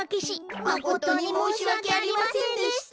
まことにもうしわけありませんでした。